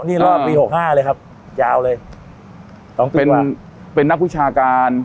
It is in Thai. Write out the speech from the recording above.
นี่รอบปี๖๕เลยครับจะเอาเลยเป็นนักวิชาการ